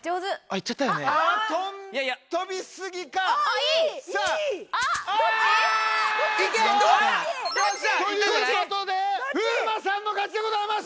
いったんじゃない？ということで風磨さんの勝ちでございます！